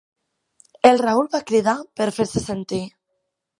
El Raül va cridar, per fer-se sentir.